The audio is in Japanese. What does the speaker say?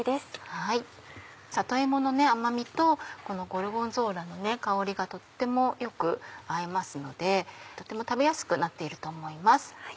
里芋の甘みとこのゴルゴンゾーラの香りがとってもよく合いますのでとても食べやすくなっていると思います。